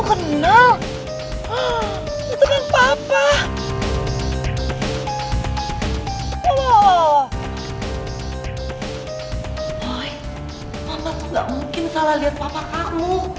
gak mungkin salah liat papa kamu